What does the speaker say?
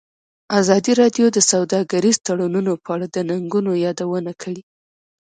ازادي راډیو د سوداګریز تړونونه په اړه د ننګونو یادونه کړې.